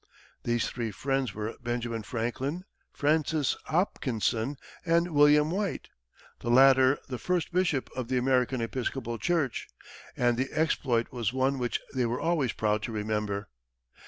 These three friends were Benjamin Franklin, Francis Hopkinson and William White, the latter the first Bishop of the American Episcopal Church, and the exploit was one which they were always proud to remember.